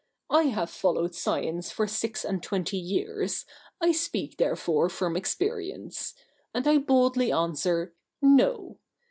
I have followed science for six and twenty years, I speak therefore from experience; and I boldly answer "No."